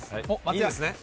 いいんですね？